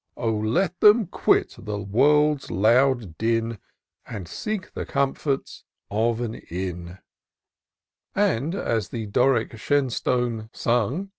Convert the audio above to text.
Oh, let them quit the world's loud din. And seek the comforts of an inn: And as the Doric Shenstone sung.